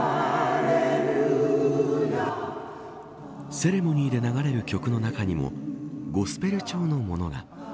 セレモニーで流れる曲の中にもゴスペル調のものが。